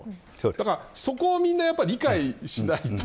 だからそこをみんな理解しないと。